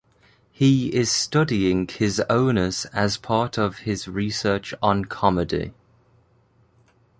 He is studying his owners as part of his research on comedy.